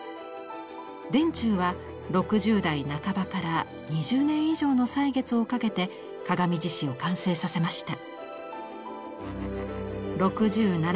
田中は６０代半ばから２０年以上の歳月をかけて「鏡獅子」を完成させました。